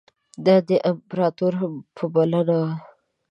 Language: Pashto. دا د امپراطور په بلنه وو.